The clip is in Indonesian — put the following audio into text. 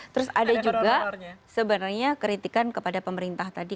terus ada juga sebenarnya kritikan kepada pemerintah tadi